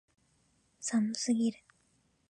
寒すぎる